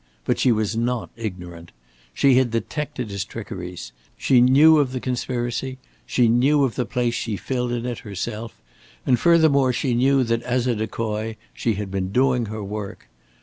But she was not ignorant. She had detected his trickeries. She knew of the conspiracy, she knew of the place she filled in it herself; and furthermore she knew that as a decoy she had been doing her work.